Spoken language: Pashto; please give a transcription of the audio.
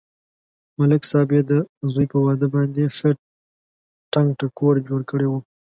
ملک صاحب یې د زوی په واده باندې ښه ټنگ ټکور جوړ کړی و.